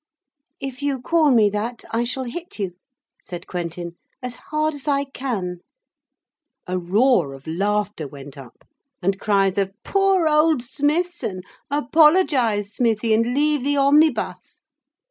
'If you call me that I shall hit you,' said Quentin, 'as hard as I can.' A roar of laughter went up, and cries of, 'Poor old Smithson' 'Apologise, Smithie, and leave the omnibus.'